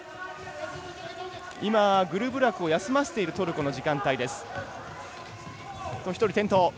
今、グルブラクを休ませているトルコの時間帯です。